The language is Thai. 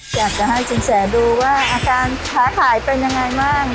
อยากจะให้สินแสดูว่าอาการค้าขายเป็นยังไงบ้าง